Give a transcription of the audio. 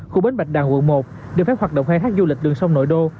khu bến bạch đằng quận một được phép hoạt động khai thác du lịch đường sông nội đô